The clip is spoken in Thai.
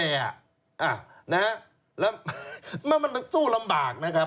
อ้าวนะฮะแล้วมันต้องสู้ลำบากนะครับ